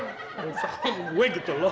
masa lu usah nungguin gitu loh